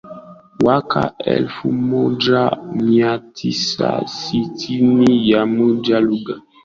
mwaka elfumoja miatisa sitini na moja lugha